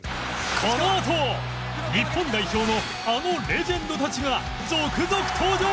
このあと日本代表のあのレジェンドたちが続々登場！